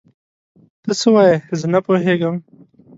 ته څه وايې؟ زه نه پوهيږم.